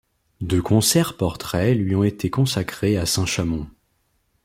Deux concerts-portraits lui ont été consacrés à Saint-Chamond.